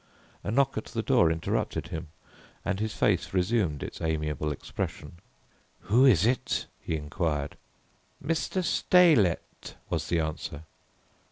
A knock at the door interrupted him, and his face resumed its amiable expression. "Who is it?" he inquired. "Mr. Steylette," was the answer.